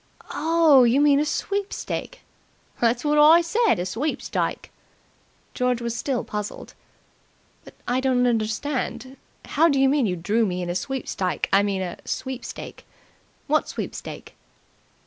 "Oh, you mean a sweepstake!" "That's wot I said a sweepstike." George was still puzzled. "But I don't understand. How do you mean you drew me in a sweepstike I mean a sweepstake? What sweepstake?"